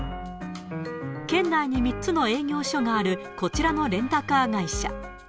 県内に３つの営業所があるこちらのレンタカー会社。